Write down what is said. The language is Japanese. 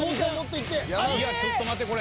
いやちょっと待ってこれ。